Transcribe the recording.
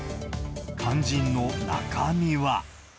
肝心の中身は。